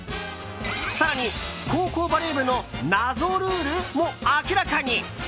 更に高校バレー部の謎ルールも明らかに！